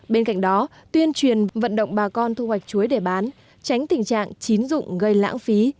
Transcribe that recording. bên cạnh đó tuyên truyền vận động bà con thu hoạch chuối để bán tránh tình trạng chín dụng gây lãng phí